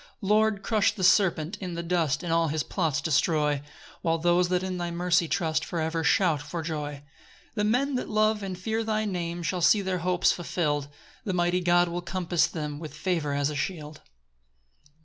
7 Lord, crush the serpent in the dust, And all his plots destroy; While those that in thy mercy trust For ever shout for joy. 8 The men that love and fear thy name Shall see their hopes fulfill'd; The mighty God will compass them With favour as a shield.